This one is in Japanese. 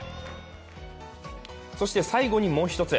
そして最後にもう１つ。